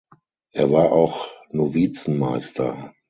Er war auch Novizenmeister.